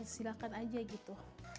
silahkan aja gitu